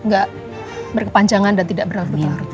gak berkepanjangan dan tidak berarut arut